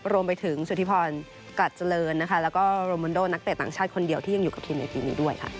รวมไปถึงสุธิพรกัดเจริญนะคะแล้วก็โรมันโดนักเตะต่างชาติคนเดียวที่ยังอยู่กับทีมในปีนี้ด้วยค่ะ